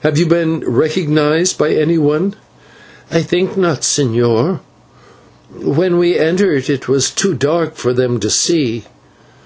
Have you been recognised by anyone?" "I think not, señor. When we entered it was too dark for them to see."